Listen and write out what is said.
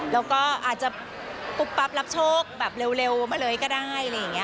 แล้วก็อาจจะปุ๊บปั๊บรับโชคแบบเร็วมาเลยก็ได้อะไรอย่างนี้